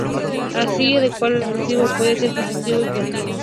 Así, el caudal reflexivo puede ser Constructivo y Creativo.